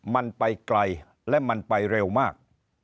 มันไปไกลและมันไปเร็วมาก